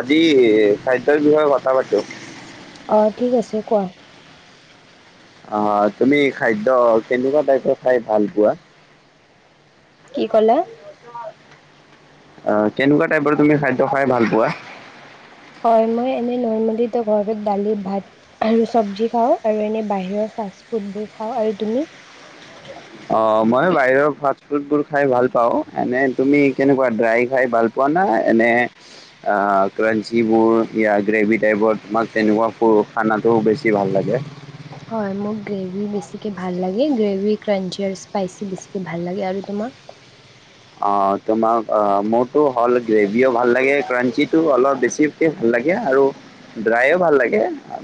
আজি খাদ্যৰ বিষয়ে কথা পাতো। অ ঠিক আছে কোৱা। অ তুমি খাদ্য কেনেকুৱা টাইপৰ খাই ভাল পোৱা? কি ক'লা [inaudible] আহ কেনেকুৱা টাইপৰ তুমি খাদ্য খাই ভাল পোৱা? হয় মই এনে নৰ্মেলো ঘৰত দালি ভাত আৰু চব্জি খাওঁ আৰু এনে বাহিৰৰ ফাষ্ট ফুডবোৰ খাওঁ আৰু তুমি? অ মই বাহিৰৰ ফাষ্টফুডবোৰ খাই ভাল পাওঁ এনে তুমি কেনেকুৱা ড্ৰাই খাই ভাল পোৱা না এনে ক্ৰাঞ্চিবোৰ ই গ্ৰেভি টাইপৰ তোমাক তেনেকুৱা খানাটো বেছি ভাল লাগে হয় মোক গ্ৰেভিী বেছিকৈ ভাল লাগে গ্ৰেভী ক্ৰাঞ্চি আৰু স্পাইচি বেছিকে ভাল লাগে আৰু তোমাক আহ তোমাক আহ মোৰতো হ'ল গ্ৰেভিও ভাল লাগে ক্ৰাঞ্চিটো অলপ বেছিকে ভাল লাগে আৰু ড্ৰাইও ভাল লাগে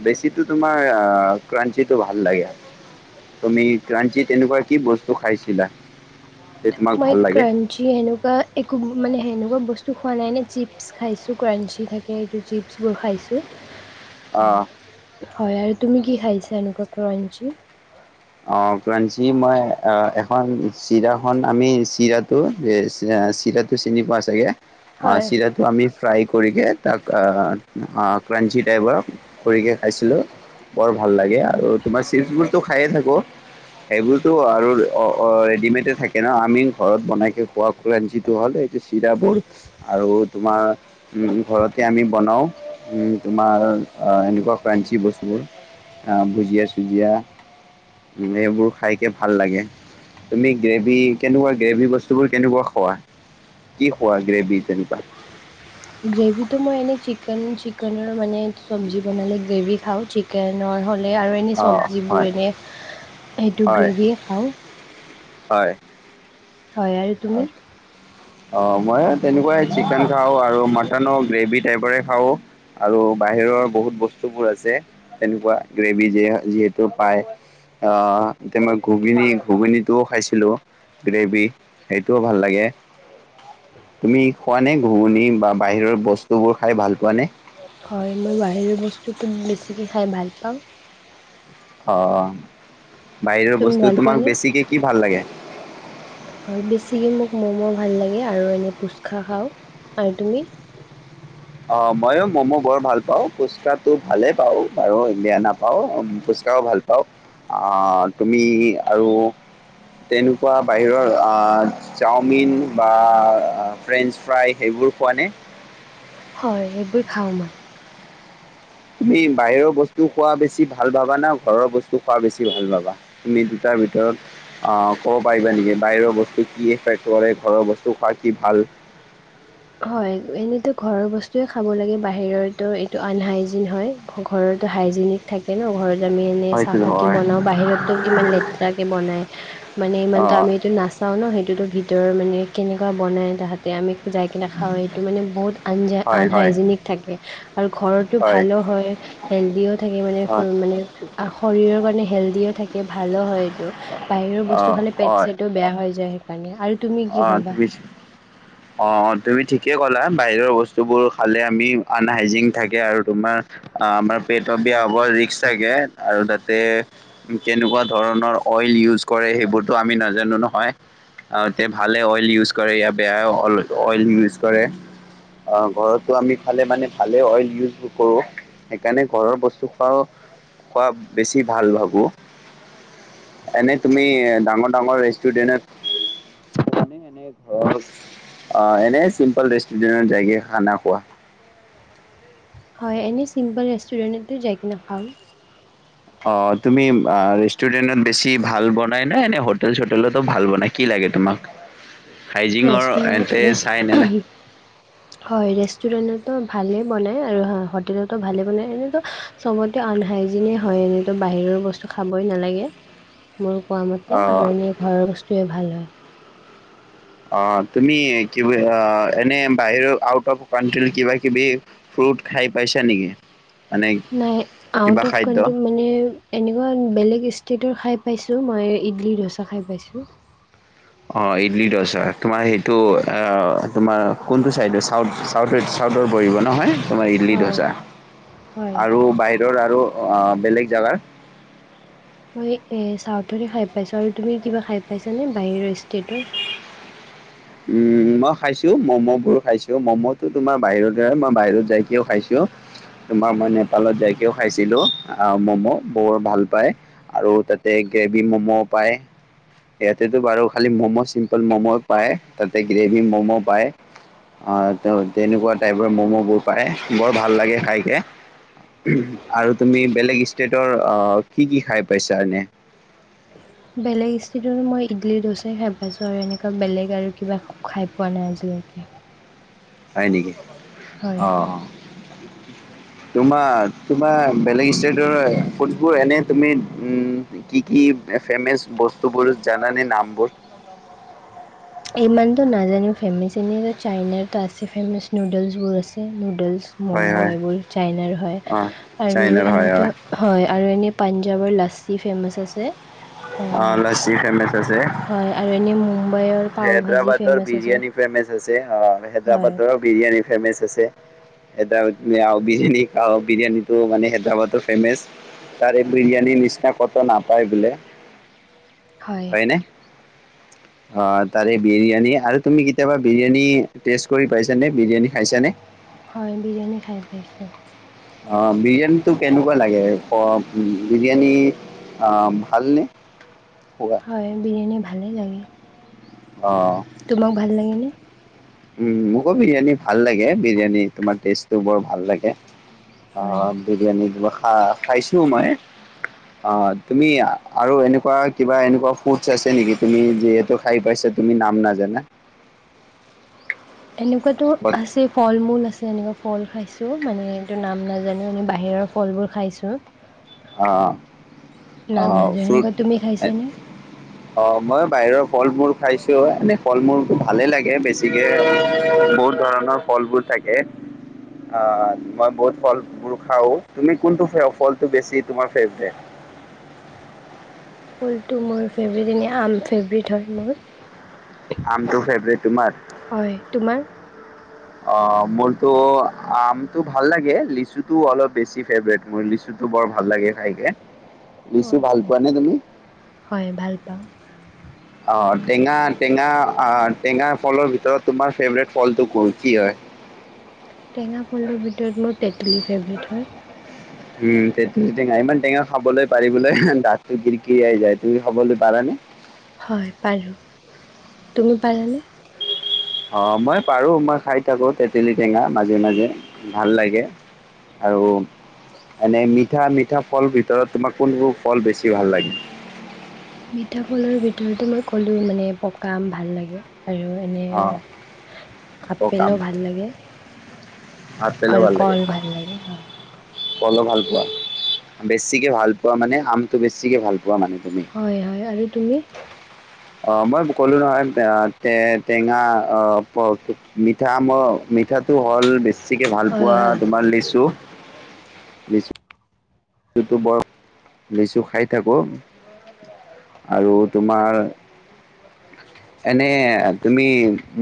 বেছিতো তোমাৰ আহ ক্ৰাঞ্চিটো ভাল লাগে তুমি ক্ৰাঞ্চি তেনেকুৱা কি বস্তু খাইছিলা যে তোমাক ভাল লাগে যি সেনেকুৱা একো মানে সেনেকুৱা বস্তু খোৱা নাই নে চিপছ খাইছোঁ ক্ৰাঞ্চি থাকে এইটো চিপছবোৰ খাইছোঁ আহ হয় আৰু তুমি কি খাইছন কাকণঞ্চ অ কঞ্চি মই এখন চিৰাখন আমি চিৰাটো চিৰাটো চিনি পোৱা চাগে আ হয় চিৰাটো আমি ফ্ৰাই খকৈ তাক ক্ৰাঞ্চি টাইপৰ খৰিকৈ খাইছিলোঁ বৰ ভাল লাগে আৰু আৰু তোমাৰ চি খাই থাকে সেইবোৰতো আৰু ৰেডিমেডে থাকে ন আমি ঘৰত বনাইকে খোৱা ক্ৰাঞ্চিটো হ'ল এইটো চিৰাবোৰ আৰু তোমাৰ উ ঘৰতে আমি বনাও উ তোমাৰ এনেকুৱা ক্ৰাঞ্চি বস্তুবোৰ আহ ভুজিয়া চুজিয় উ সেইবোৰ খাইকে ভাল লাগে তুমি গ্ৰেভিী কেনেকুৱা গ্ৰেভিী বস্তুবোৰ কেনেকুৱা খোৱা কি খোৱা গ্ৰেভিী তেনেকুৱা গ্ৰেভিটো মই এনে চিকেন চিকেনৰ মানে চব্জি বনালে গ্ৰেভি খাওঁ চিকেনৰ হ আৰু এনেই অঁ চব্জিবোৰ হয় এনে সেইটো হয় গ্ৰেভিয়ে খাওঁ হয় হয় আৰু তুমি আহ মই তেনেকুৱাই চিকেন খাওঁ আৰু মটনৰ গ্ৰেভি টাইপৰে খাওঁ আৰু বাহিৰৰ বহুত বস্তুবোৰ আছে তেনেকুৱা গ্ৰেভী য যিহেতু পাই আহ এতিয়া মই ঘুগনি ঘুগনীটোও খাইছিলো গ্ৰেভি সেইটোও ভাল লাগে তুমি খোৱা নে ঘূুণণী বা বাহিৰৰ বস্তুবোৰ খাই ভাল পোৱা নে হয় মই বাহিৰে বস্তু [unintelligible] বেছিকৈ খাই ভাল পাওঁ অ বাহিৰৰ তুমি বস্তু ভাল তোমাক পোৱানে বেছিকে কি ভাল লাগে হয় বেছিকে মোক মম' ভাল লাগে আৰু এনে পুচখা খাওঁ আৰু তুমি অঁ ময়ো ম'ম' বৰ ভাল পাওঁ ফুচকাটো ভালেই পাওঁ আৰু বিয়া নাপাওঁ ফুচ্কাও ভাল পাওঁ তুমি আৰু তেনেকুৱা বাহিৰৰ চাওমিন বা ফ্ৰেঞ্চ ফ্ৰাই সেইবোৰ খোৱা নে হয় এইবোৰ খাওঁ মই তুমি বাহিৰৰ বস্তু খোৱা বেছি ভাল পাবা না ঘৰৰ বস্তু খোৱা বেছি ভাল পাবা তুমি দুটাৰ ভিতৰত আঁহ কব পাৰিবা নেকি বাহিৰৰ বস্তু কি এফেক্ট কৰে ঘৰৰ বস্তু খোৱা কি ভাল হয় এনেতো ঘৰৰ বস্তুৱয়ে খাব লাগে বাহিৰো এইটো আনহাইজিন হয় ঘৰতো হাইজিনিক থাকে ন ঘৰত আমি এনে হয়তো চাফাক কে নহয় বনাওঁ বাহিৰতো কিমান লেতেৰা কে বনাই মানে অ ইমানতো আমি এইটো নাচাওঁ ন সেইটোতো ভিত তেঁওৰ মানে কেনেকুৱা বনাই তাহাতে আমি খাওঁ সেইটো মানে বহুত আনজ হয় হয় আনহাইজেনিক থাকে আৰু ঘৰতটো ভালো হয় হেল্ডিও থাকে মানে হয় মানে শৰীৰৰ কাৰণে হেল্ডিও থাকে ভালো হয় বাহিৰৰ অ বস্তু খালি পেট চেটও বেয়া হৈ যায় কাৰণে অঁ অঁ তুমিছ অঁ অঁ তুমি ঠিকে ক'লা বাহিৰৰ বস্তুবোৰ খালে আমি আনহাইজিন থাকে আৰু তোমাৰ আমাৰ পেটৰ বেয়া হব ৰিক্স থাকে আৰু তাতে কেনেকুৱা ধৰণৰ অইল ইউজ কৰে সেইবোৰতো আমি নাজানো নহয়। ভালে অইল ইউজ কৰে ইয় বেয়া অইল ইউজ কৰে ঘৰতো আমি খালে মানে ভালেই অইল ইউজ কৰোঁ সেইকাৰণে ঘৰৰ বস্তু খোৱাওঁ খোৱা বেছি ভাল ভাবোঁ এনে তুমি ডাঙৰ ডাঙৰ ৰেষ্টুৰেণ্টত মান এনে ঘৰ অঁ এনে চিম্পল ৰেষ্টুৰেণ্টৰ জগা খানা খোৱা হয় এনেই চিম্পল ৰেষ্টুৰেণ্টতে যায় কি নখাওঁ অঁ তুমি ৰেষ্টুৰেণ্টত বেছি ভাল বনাই নাই ননে? হোটেল চোটেলতো ভাল বনাই কি লাগে তোমাক? হাইজিঙৰ এন্তে ৰেষ্টুৰেন্ট, চাই নে নাই? হম হয় ৰেষ্টুৰেন্ট ভালে বনাই আৰু হোটেলতো ভালে বনাই এনেতো চবতে আনহাইজনে হয় এনেতো বাহিৰৰ বস্তু খাবই নালাগে মোৰ কোৱা মতে অ' আৰু এনে ঘৰৰ বস্তুুৱে ভাল হয় অঁ, তুমি এনে বাহিৰ আউটৰ কিবা কিবি ফ্ৰুট খাই পাইছ নেকি? মানে নাইট কিবা অফ খাদ্য? কট মানে এনেকুৱা বেলেগ ষ্ট ৰ খাই পাইছোঁ মই ইডলি ধোচা খাই পাইছোঁ অঁ ইডলি দৌচা তোমাৰ সেইটো হয় তোমাৰ কোনটো ছাইডে ছাউথ চাউথ চাউথৰ বহিব নহয় তোমাৰ ইডলি হয় ধৌচা হয় আৰু বাহিৰৰ টো অঁ বেলেগ জেগাৰ মই এ চাউথতে খাই পাইছো আৰু তুমি কিবা খাই পাইছানে বাহিৰৰ ষ্টেটৰ উম মই খাইছো ম'ম' বোৰ খাইছো ম'ম তোমাৰ বাহিৰত মই বাহিৰত যাইকেও খাইছো তোমাৰ মই নেপালত যাইকেও খাইছিলো আঁহ ম'ম' বৰ ভাল পায় আৰু তাতে গ্ৰেভি মম'ও পায় সিহতেতো বাৰু খালি ম'ম' চিম্পল ম'ম' পায় তাতে গ্ৰেভি ম'ম' পায় আহ তেনেকুৱা টাইপৰ ম'ম'বোৰ পায় বৰ ভাল লাগে খাইকে আৰু তুমি বেলেগ ষ্টেটৰ আহ কি কি খাই পাইছা নে বেলেগ মই ইডলি দৌচা খাই পাইছো আৰু এনেকুৱা বেলেগ আৰু কিবা খাই পোৱা নাই আজিলৈকে হয় নেকি হয় অঁ, তোমাৰ তোমাৰ বেলেগ ষ্টেটৰ ফুডবোৰ এনে তুমি উ কি কি ফেমচ বস্তুবোৰ জানে নামবোৰ ইমানতো নাজানোও ফেমাচ এনেইো চাইনাৰতো আছে ফেমাচ নুডলছবোৰ আছে নুডলছ ম'ম হয় হয় এই বোৰ চাইনাৰ অ'। আৰু চাইনাৰ হয় এনেকৈ হয় এনেকৈ যাবৰ লাছি ফেমচ আছে। অ লচি ফেমাচ আছে, হয়, আৰু এনেই মুম্বাইৰ। পাও ভাজি হেদৰাবাদৰ ফেমাছ আছে বিৰিয়ান ফেমছ আছে অ হয় হেদৰাবাদৰ বিৰিয়ানী। ফেমেচ আছে, হেদ্ৰাবাদ [inaudible] বিৰিয়ানী আও বিৰিয়ানীটো মানে হেদ্ৰাবাদ ফেমেচ। তাৰে এই বিৰিয়ানীৰ নিচিনা কত নাপায় বোলে। হয়। হয়নে? অ তাৰে বিৰিয়ানী আৰু তুমি কেতিয়াবা বিৰিয়ানী টেষ্ট কৰি পাইছানে? বিৰিয়ানী খাইছানে? হয় বিৰিয়ানী খাই পাইছোঁ। অ বিৰিয়ানীটো কেনেকুৱা লাগে অ, বিৰিয়ানী আ ভালনে? খোৱা হয় বিৰিয়ানী ভালেই লাগে। তোমাক ভাল লাগে নে? উ মোকো বিৰিয়ানী ভাল লাগে, বিৰিয়ানী তোমাৰ টেষ্টটো বৰ ভাল লাগে। অ হয় বিৰিয়ানী দিবা। অঁ খাইছো মই। অ তুমি আৰু এনেকুৱা কিবা এনেকুৱা ফুড আছে নেকি তুমি যিহেতু খাই পাইছা তুমি নাম নাজানা। এনেকুৱাতো বাট আছে ফল মূল আছে এনেকুৱা। ফল খাইছোঁ মানে এইটো নাম নাজানো এনেই বাহিৰৰ ফলবোৰ খাইছোঁ। অ নাম আহ নাজানো এনেকুৱা ফ্ৰুট তুমি খাইছানে [inaudible] অ মই বাহিৰৰ ফল মূল খাইছো, এনে ফল মূল ভালে লাগে বেছিকে বহুত ধৰণৰ ফলবোৰ থাকে। আহ মই বহুত ফলবোৰ খাও, তুমি কোনটো ফলটো বেছি? তোমাৰ ফেভৰিট? ফুলটো মোৰ ফেভাৰট এনেই আম ফেভৰেট হয় মোৰ। আমটো ফেভৰেট তোমাৰ? হয় তোমাৰ অ মোৰতো আমটো ভাল লাগে লিচুটো অলপ বেছি ফেভাৰেট মোৰ লিচুটো বৰ ভাল লাগে খাইকে। লিচু হয় ভাল পোৱা নে তুমি? হয়, ভাল পাওঁ অ টেঙা টেঙা টেঙা ফলৰ ভিতৰত তোমাৰ ফেভৰেট ফলটো কোন কি হয়? টেঙা ফলৰ ভিতৰত মোৰ তেতলী ফেভৰেট হয়। উম তে টেঙা ইমান টেঙা খাবলৈ পাৰিবলে দাঁতটো কিৰকিৰাই যায় তুমি খাবলৈ পাৰা নে? হয় পাৰো, তুমি পাৰানে? অ মই পাৰো মই খায় থাকো তেতেলী টেঙা মাজে মাজে, ভাল লাগে আৰু। এনে মিঠ মিঠা মিঠা ফলৰ ভিতৰত তোমাক কোনবোৰ ফল বেছি ভাল লাগে? মিঠা ফলৰ ভিতৰততে মই ক'লো মানে পকা আম ভাল লাগে। আৰু এনে অ পকাম আপেলো ভাল লাগে। আপেলো আৰু ভাল লাগে কল ভাল লাগে হয় কলো ভাল পোৱা বেছিকে ভাল পোৱা মানে, আমটো বেছিকে ভাল পোৱা। মানে তুমি হয় হয় আৰু তুমি অ মই ক'লো নহয় টে টেঙা বেছিকৈ হয় ভালপোৱা হয় তোমাৰ লিষ্টোঁ বিশ লিচুটো বৰ লিচু খাই থাকো আৰু তোমাৰ এনে তুমি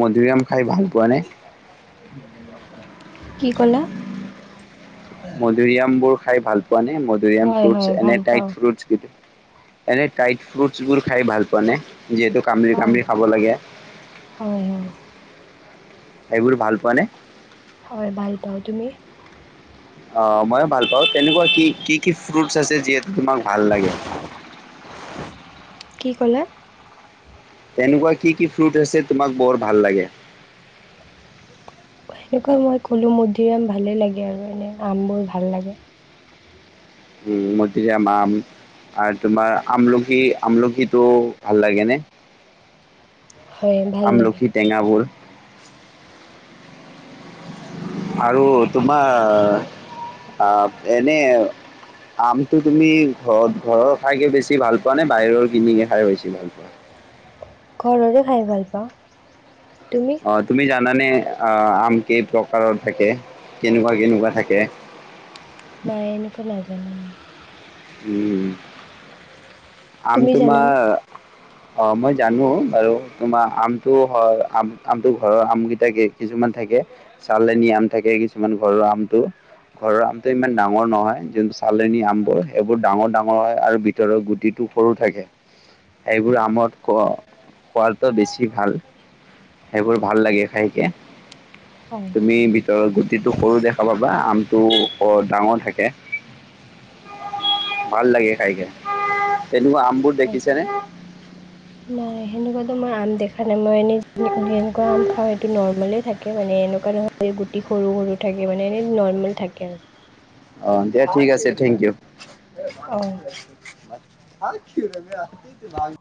মধুুৰী আম খাই ভাল পোৱা নে উ মধুৰি আমবোৰ খাই ভাল মধুৰী আম হয়, ফ্ৰুটচ হয়, এনে ভাল টাইট পাওঁ। ফ্ৰুট ক এনে টাই ফ্ৰুটছ বোৰ খাই ভাল পোৱা নে যিহেতু কামিৰি হয়, কামিৰি খাব লাগে হয়, হয়, এইবোৰ ভাল পোৱা নে হয়, ভাল পাওঁ। তুমি? অ, ময়ো ভাল পাওঁ। তেনেকুৱা কি, কি, কি, ফ্ৰুটছ আছে যিহেতু তোমাক ভাল লাগে। কি কলা? তেনেকুৱা কি, কি ফুট আছে তোমাক বৰ ভাল লাগে। সেনেকুৱা মই ক'লো মুধি আম ভালে লাগে। আৰু এনে আম বোৰ ভাল লাগে। উম, মধুৰী আম-আম আৰু তোমাৰ আমলখি, আমলখিটো ভাল লাগে নে? হয়, ভাল লাগে। আমলখি টেঙাবোৰ [inaudible] আৰু তোমাৰ এনে আমটো তুমি ঘৰত ঘৰৰ খাইকে বেছি ভাল পোৱা নে, বাহিৰৰ কিনিকে খাই বেছি ভাল পোৱা। ঘৰৰে খাই ভাল পাওঁ। তুমি? অ, তুমি জানানে? আম কেই প্ৰকাৰৰ থাকে, কেনেকুৱা, কেনেকুৱা থাকে। নাই, এনেকুৱা নাজানো। [unintelligible] উম। আমি তুমি তোমাৰ জানানে? অ, মই জানো বাৰু তোমাৰ আমটো হয় আম-আমটো ঘৰৰ আম কেইটা কিছুমান থাকে চালনী আম থাকে কিছুমান ঘৰৰ আমটো, ঘৰৰ আমটো ইমান ডাঙৰ নহয়। যোনটো চালনী আমবোৰ সেইবোৰ ডাঙৰ, ডাঙৰ হয় আৰু ভিতৰৰ গুটিত টো সৰু থাকে। সেইবোৰ আমত খোৱাদটো বেছি ভাল। সেইবোৰ ভাল লাগে খাইকৈ। হয়, তুমি ভিতৰত গুটিটো সৰু দেখা পাবা। আমটো অ, ডাঙৰ থাকে। ভাল লাগে খাই কে। তেনেকুৱা আমবোৰ হয়। দেখিছে নে। তোমাৰ আম দেখা মানে মই এনে যেনেকুৱা আম খাওঁ, সেইটো নৰ্মলে থাকে। থাকে মানে এনেকুৱা নহয় যে গুটি সৰু, সৰু থাকে মানে এনে নৰ্মেল থাকে আৰু। অ, দিয়া ঠিক আছে, থেংক ইউ। [inaudible] অ'। হ কি [unintelligible] আ ভ